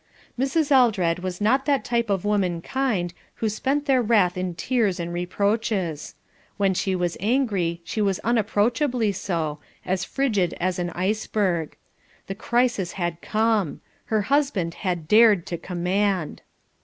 Mrs. Eldred was not that type of womankind who spent their wrath in tears and reproaches. When she was angry, she was unapproachably so, as frigid as an iceberg. The crisis had come. Her husband had dared to command.